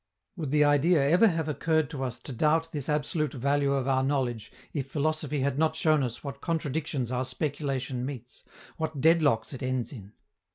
Would the idea ever have occurred to us to doubt this absolute value of our knowledge if philosophy had not shown us what contradictions our speculation meets, what dead locks it ends in?